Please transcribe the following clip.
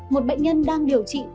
một bệnh nhân đang điều trị